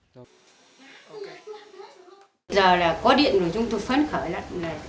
giờ là có điện của chúng tôi phấn khởi lắm